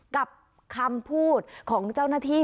กับคำพูดของเจ้าหน้าที่